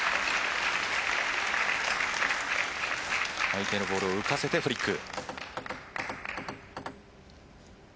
相手のボールを浮かせてフリック。